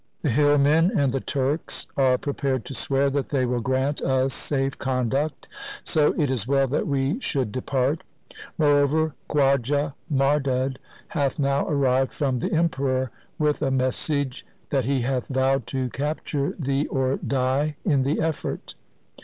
The hillmen and the Turks are prepared to swear that they will grant us safe conduct, so it is well that we should depart. Moreover, Khwaja Mardud hath now arrived from the Emperor with a message, that he hath vowed to capture thee or die in the effort.